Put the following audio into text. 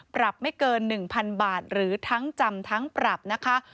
ปรับไม่เกิน๑๐๐๐บาทหรือทั้งจำทั้งปรับนะคะ